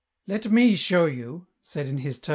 ..."" Let me show you," said in his turn M.